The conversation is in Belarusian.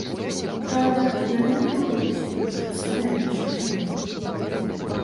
Праўда, яны не будуць прадстаўляць нашу краіну.